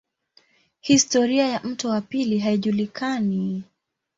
Historia ya mto wa pili haijulikani.